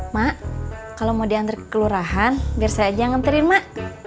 mak kalau mau diantre ke kelurahan biar saya aja yang ngerterin mak